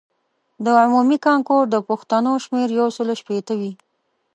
د عمومي کانکور د پوښتنو شمېر یو سلو شپیته وي.